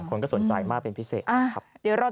คนก็สนใจมากเป็นพิเศษนะครับ